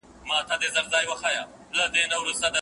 ښکاري کوتري